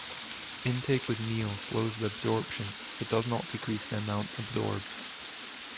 Intake with meals slows the absorption, but does not decrease the amount absorbed.